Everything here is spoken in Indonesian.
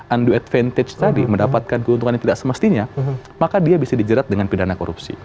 undu advantage tadi mendapatkan keuntungan yang tidak semestinya maka dia bisa dijerat dengan pidana korupsi